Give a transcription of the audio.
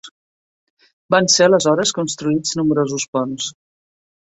Van ser aleshores construïts nombrosos ponts.